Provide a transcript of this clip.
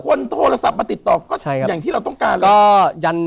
คนโทรศัพท์มาติดต่อก็อย่างที่เราต้องการแล้ว